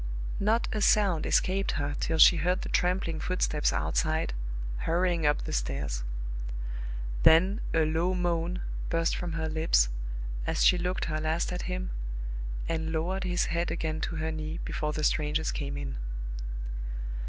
Not a sound escaped her till she heard the trampling footsteps outside, hurrying up the stairs. Then a low moan burst from her lips, as she looked her last at him, and lowered his head again to her knee, before the strangers came in.